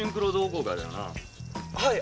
はい。